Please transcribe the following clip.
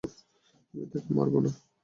আমি তাকে মারব না।